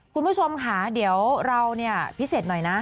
คุณผู้ชมค่ะเดี๋ยวเราเนี่ยพิเศษหน่อยนะ